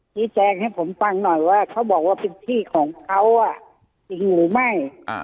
ชี้แจงให้ผมฟังหน่อยว่าเขาบอกว่าเป็นที่ของเขาจริงหรือไม่